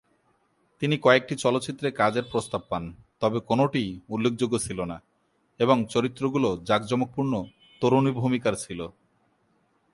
তিনি কয়েকটি চলচ্চিত্রে কাজের প্রস্তাব পান, তবে কোনটিই উল্লেখযোগ্য ছিল না এবং চরিত্রগুলো জাঁকজমকপূর্ণ তরুণী ভূমিকার ছিল।